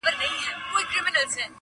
ډېر کسان دي نه د جنګ وي نه د ننګ وي -